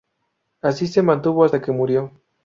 Así se mantuvo hasta que murió.